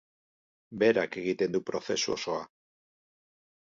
Berak egiten du prozesu osoa.